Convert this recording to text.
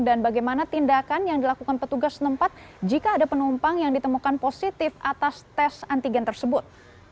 dan bagaimana tindakan yang dilakukan petugas nempat jika ada penumpang yang ditemukan positif atas tes antigen tersebut